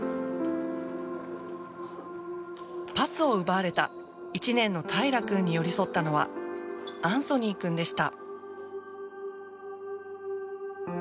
パスを奪われた１年の平良君に寄り添ったのはアンソニー君でした。